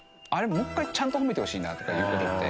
もう一回ちゃんと褒めてほしいなっていう事って。